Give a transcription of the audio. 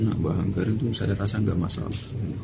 nambah anggaran itu saya rasa nggak masalah